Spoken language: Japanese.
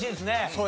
そう。